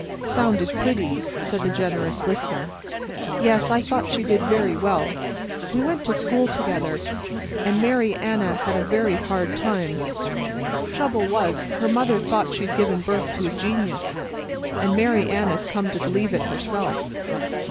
"Sounded pretty," said the generous listener. "Yes, I thought she did very well. We went to school together, an' Mary Anna had a very hard time; trouble was, her mother thought she'd given birth to a genius, an' Mary Anna's come to believe it herself.